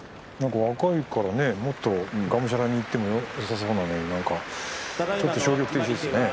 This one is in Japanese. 若いからもっとがむしゃらにいってもよさそうなのに何か、ちょっと消極的ですね。